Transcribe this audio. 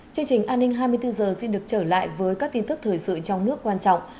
chương trình an ninh hai mươi bốn h xin được trở lại với các tin tức thời sự trong nước quan trọng